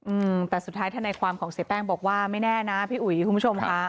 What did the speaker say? อืมแต่สุดท้ายธนายความของเสียแป้งบอกว่าไม่แน่นะพี่อุ๋ยคุณผู้ชมค่ะ